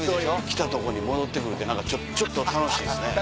来たとこに戻って来るって何かちょっと楽しいですね。